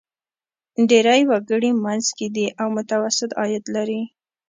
ډېری وګړي منځ کې دي او متوسط عاید لري.